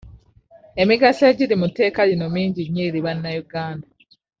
Emigaso egiri mu tteeka lino mingi nnyo eri bannayuganda.